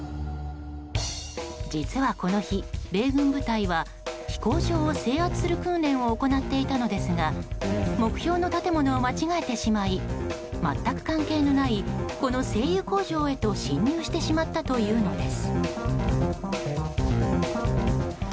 実はこの日、米軍部隊は飛行場を制圧する訓練を行っていたのですが目標の建物を間違えてしまい全く関係のないこの精油工場へと進入してしまったというのです。